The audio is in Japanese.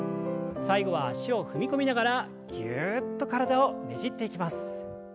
最後は脚を踏み込みながらギュっと体をねじっていきます。